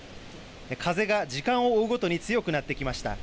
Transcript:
風が時間を追うごとに強くなってきました。